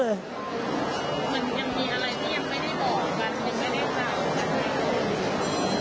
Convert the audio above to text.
มันยังมีอะไรที่ยังไม่ได้บอกกัน